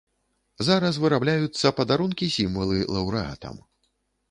Зараз вырабляюцца падарункі-сімвалы лаўрэатам.